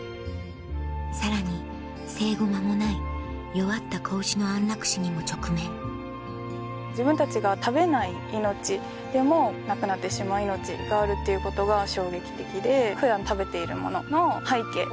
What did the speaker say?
さらに生後間もない弱った子牛の安楽死にも直面自分たちが食べない命でもなくなってしまう命があるっていうことが衝撃的で。